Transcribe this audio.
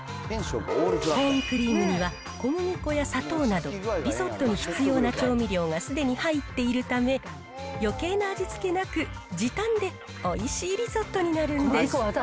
コーンクリームには、小麦粉や砂糖など、リゾットに必要な調味料がすでに入っているため、よけいな味付けなく、時短でおいしいリゾットになるんです。